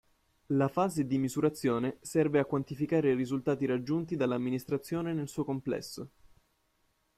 La fase di misurazione serve a quantificare i risultati raggiunti dall'amministrazione nel suo complesso.